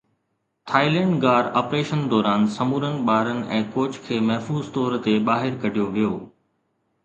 Thailand غار operation دوران سمورن ٻارن ۽ ڪوچ کي محفوظ طور تي ٻاهر ڪڍيو ويو